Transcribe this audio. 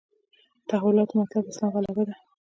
تحولاتو مطلب اسلام غلبه ده.